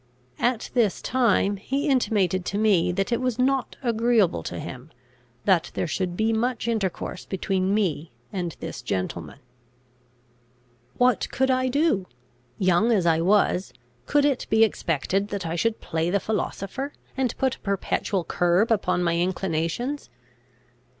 At this time he intimated to me that it was not agreeable to him, that there should be much intercourse between me and this gentleman. What could I do? Young as I was, could it be expected that I should play the philosopher, and put a perpetual curb upon my inclinations?